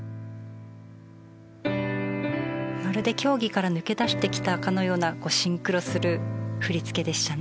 まるで競技から抜け出してきたかのようなシンクロする振り付けでしたね